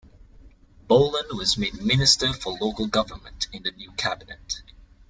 Boland was made Minister for Local Government in the new cabinet.